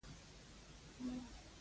سوالګر د انسانیت امتحان اخلي